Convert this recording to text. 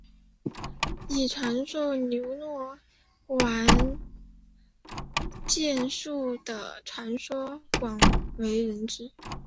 以传授牛若丸剑术的传说广为人知。